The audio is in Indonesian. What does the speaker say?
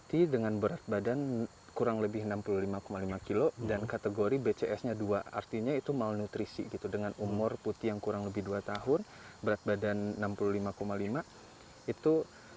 kita pelajari ternyata setiap waktu waktu tertentu